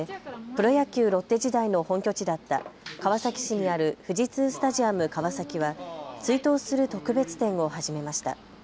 プロ野球ロッテ時代の本拠地だった川崎市にある富士通スタジアム川崎は追悼する特別展を始めました。